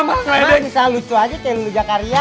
emang bisa lucu aja kayak lulu jakaria